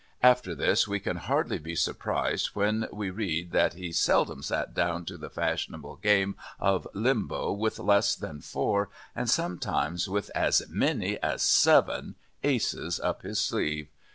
After this, we can hardly be surprised when we read that he "seldom sat down to the fashionable game of Limbo with less than four, and sometimes with as many as seven aces up his sleeve."